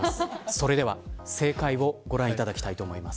それでは正解をご覧いただきたいと思います。